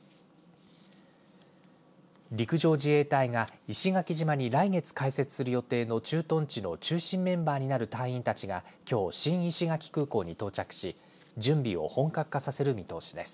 陸上自衛隊が石垣島に来月開設する予定の駐屯地の中心メンバーになる隊員たちがきょう新石垣空港に到着し準備を本格化させる見通しです。